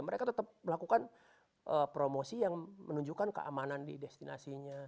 mereka tetap melakukan promosi yang menunjukkan keamanan di destinasinya